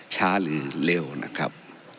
หรือเร็วนะครับ